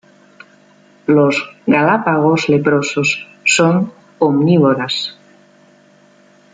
Los Galápagos leprosos son omnívoras.